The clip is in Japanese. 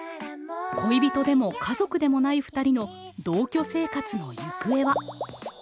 恋人でも家族でもないふたりの同居生活のゆくえは。